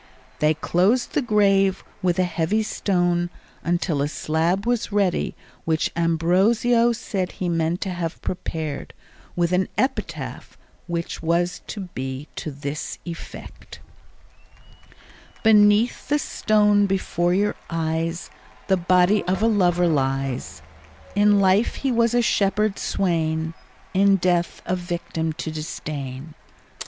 They closed the grave with a heavy stone until a slab was ready which Ambrosio said he meant to have prepared, with an epitaph which was to be to this effect: Beneath the stone before your eyes The body of a lover lies; In life he was a shepherd swain, In death a victim to disdain.